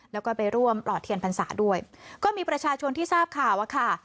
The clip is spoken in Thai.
แล้วก็ไปร่วมหล่อเถียนภัณฑ์ศาสตร์ด้วยก็มีประชาชนที่ทราบข่าวว่าค่ะ